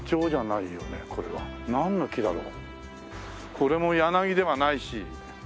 これも柳ではないし。